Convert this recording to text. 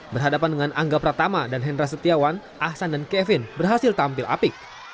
berhadapan dengan angga pratama dan hendra setiawan ahsan dan kevin berhasil tampil apik